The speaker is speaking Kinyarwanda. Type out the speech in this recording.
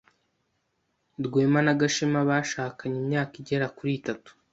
Rwema na Gashema bashakanye imyaka igera kuri itatu.